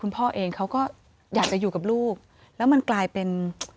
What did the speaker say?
พ่อเองเขาก็อยากจะอยู่กับลูกแล้วมันกลายเป็น